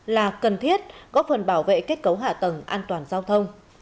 là cần thiết góp phần bảo vệ kết cấu hạ tầng an toàn giao thông